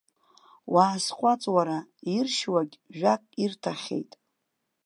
Уаасҟәаҵ уара, иршьуагь жәак ирҭахьеит.